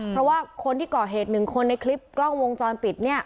เพราะว่าคนที่ก่อเหตุหนึ่งคนในคลิปกล้องวงจรปิดเนี่ย